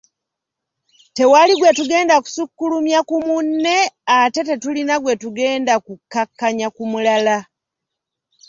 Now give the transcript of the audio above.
Tewali gwe tugenda kusukkulumya ku munne ate tetulina gwe tugenda kukkakkanya ku mulala.”